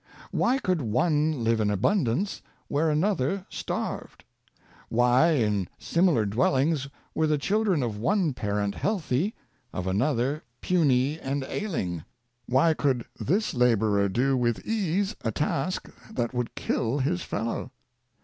Why could one live in abundance where another starved? Why, in similar dwellings, were the children of one parent healthy, of another puny and ailing? Why could this laborer do with ease a task that would kill his fellow?